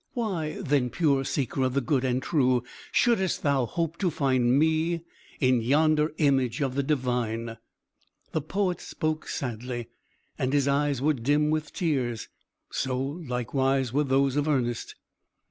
Why, then, pure seeker of the good and true, shouldst thou hope to find me, in yonder image of the divine?" The poet spoke sadly, and his eyes were dim with tears. So, likewise, were those of Ernest.